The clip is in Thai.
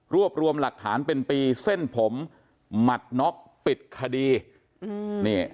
รวบรวมหลักฐานเป็นปีเส้นผมหมัดน็อกปิดคดีอืมนี่